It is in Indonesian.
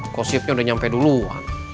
gossipnya udah nyampe duluan